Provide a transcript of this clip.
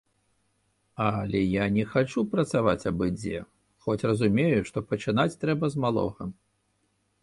Але я не хачу працаваць абы-дзе, хоць разумею, што пачынаць трэба з малога.